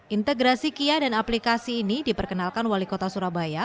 integrasi kia dan aplikasi ini diperkenalkan wali kota surabaya